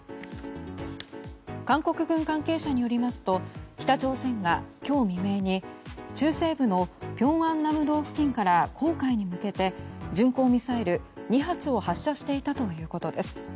韓国軍関係者によりますと北朝鮮が今日未明に中西部の平安南道付近から黄海に向けて巡航ミサイル２発を発射していたということです。